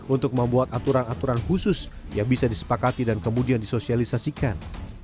untuk membuat aturan aturan khusus yang bisa disepakati dan kemudian disosialisasikan